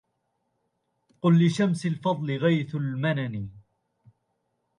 قل لشمس الفضل غيث المنن